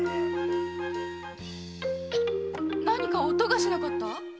何か音がしなかった？